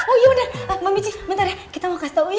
oh iya bener mbak mici bentar ya kita mau kasih tahu uya